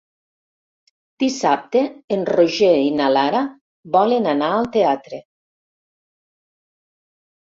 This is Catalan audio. Dissabte en Roger i na Lara volen anar al teatre.